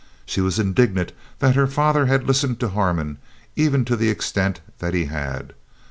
She was indignant that her father had listened to Harmon, even to the extent that he had.